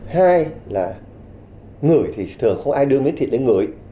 hai là ngửi thì thường không ai đưa miếng thịt để ngửi